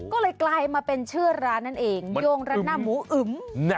ก็เลยกลายมาเป็นชื่อร้านนั่นเองโยงรัดหน้าหมูอึม